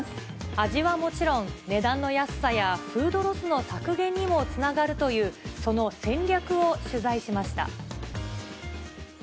味はもちろん、値段の安さやフードロスの削減にもつながるという、その戦略を取材しました。